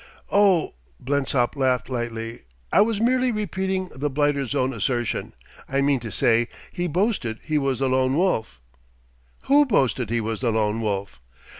"Oh!" Blensop laughed lightly. "I was merely repeating the blighter's own assertion. I mean to say, he boasted he was the Lone Wolf." "Who boasted he was the Lone Wolf?"